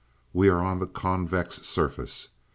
We are on a convex surface.